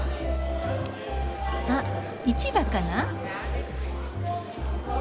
あ市場かな。